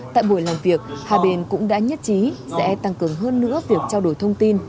tại buổi làm việc hai bên cũng đã nhất trí sẽ tăng cường hơn nữa việc trao đổi thông tin